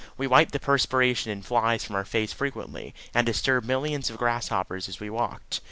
We wiped the perspiration and flies from our face frequently, and disturbed millions of grasshoppers as we walked.